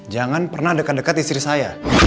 jangan pernah dekat dekat istri saya